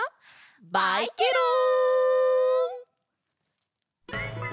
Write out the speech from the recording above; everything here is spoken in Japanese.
バイケロン！